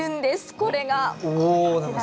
これが。